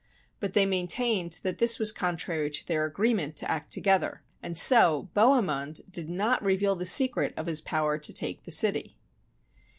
But they maintained that this was contrary to their agree ment to act together, and so Bohemund did not re veal the secret of his power to take the city.